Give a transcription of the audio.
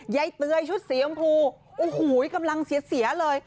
ยายเต๋ยชุดสีกำพูโอ้โหกำลังเสียเสียเลย